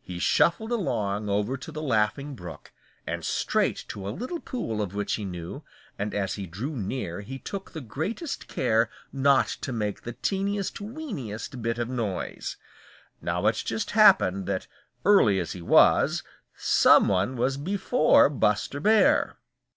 He shuffled along over to the Laughing Brook, and straight to a little pool of which he knew, and as he drew near he took the greatest care not to make the teeniest, weeniest bit of noise. Now it just happened that early as he was, some one was before Buster Bear.